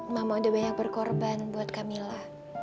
mama udah banyak berkorban buat kak mila